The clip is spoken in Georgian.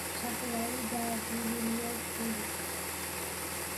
სახურავი დაბურულია თუნუქით.